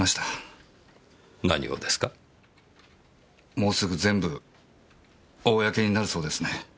もうすぐ全部公になるそうですね。